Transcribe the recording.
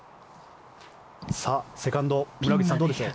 セカンド村口さん、どうでしょう。